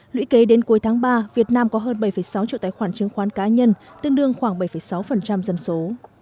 lũy kế đến cuối tháng ba việt nam có hơn bảy sáu triệu tài khoản chứng khoán cá nhân tương đương khoảng bảy sáu dân số